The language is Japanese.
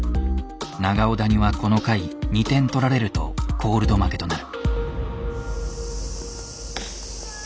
長尾谷はこの回２点取られるとコールド負けとなる。